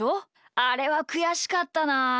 あれはくやしかったなあ。